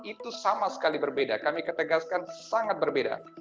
itu sama sekali berbeda kami ketegaskan sangat berbeda